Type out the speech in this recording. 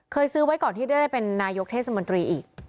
ซื้อไว้ก่อนที่จะได้เป็นนายกเทศมนตรีอีก